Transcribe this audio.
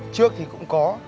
trước thì cũng có